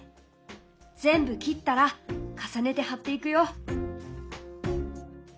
全部切ったら重ねて貼っていくよ。